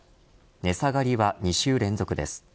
値下がりは２週連続です。